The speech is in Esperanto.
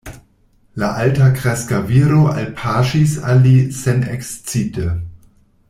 La altakreska viro alpaŝis al li senekscite.